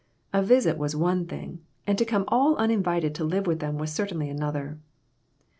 A visit was one thing, and to come all uninvited to live with them was certainly another.